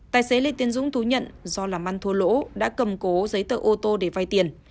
tài xế lê tiến dũng thú nhận do làm ăn thua lỗ đã cầm cố giấy tờ ô tô để vay tiền